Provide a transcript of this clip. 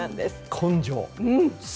根性！